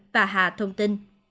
bà hà thông tin